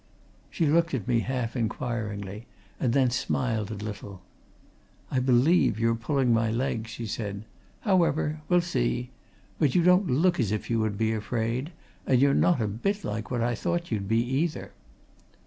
She looked at me half inquiringly, and then smiled a little. "I believe you're pulling my leg," she said. "However we'll see. But you don't look as if you would be afraid and you're not a bit like what I thought you'd be, either."